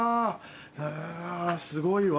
へぇすごいわ。